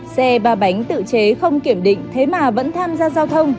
xe ba bánh tự chế không kiểm định thế mà vẫn tham gia giao thông